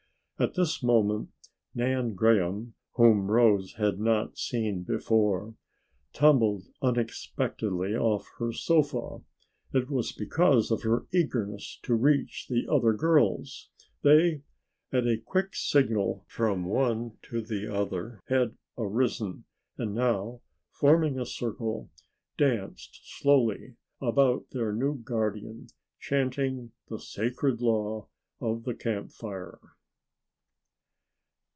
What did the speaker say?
At this moment Nan Graham, whom Rose had not seen before, tumbled unexpectedly off her sofa. It was because of her eagerness to reach the other girls. They, at a quick signal from one to the other, had arisen, and now, forming a circle, danced slowly about their new guardian chanting the sacred law of the Camp Fire.